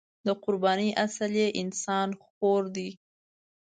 د قربانۍ اصل یې انسان خوري دی.